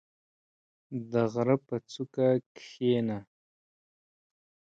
• د غره په څوکه کښېنه.